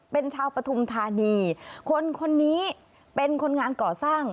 เป็นชาวปฐุมธานีคนคนนี้เป็นคนงานก่อสร้าง